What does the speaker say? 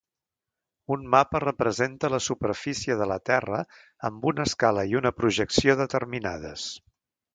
Un mapa representa la superfície de la terra amb una escala i una projecció determinades.